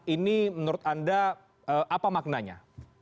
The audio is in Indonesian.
ini menurut anda apa maknanya